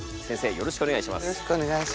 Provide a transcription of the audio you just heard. よろしくお願いします！